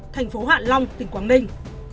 thành phố hạn long tỉnh quảng ninh